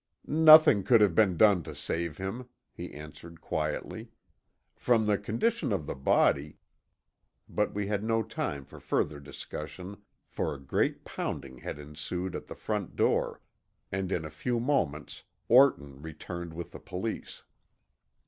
"Nothing could have been done to save him," he answered quietly. "From the condition of the body " But we had no time for further discussion for a great pounding had ensued at the front door and in a few moments Orton returned with the police.